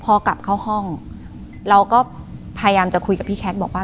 พอกลับเข้าห้องเราก็พยายามจะคุยกับพี่แคทบอกว่า